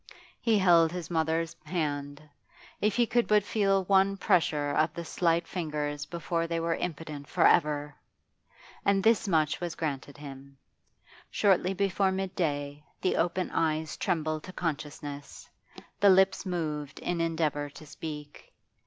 He held his mother's band; if he could but feel one pressure of the slight fingers before they were impotent for ever! And this much was granted him. Shortly before midday the open eyes trembled to consciousness, the lips moved in endeavour to speak.